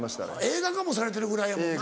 映画化もされてるぐらいやもんな。